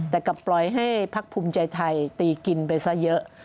แต่กลับปล่อยให้พักภูมิใจไทยตีกินไปซะเยอะ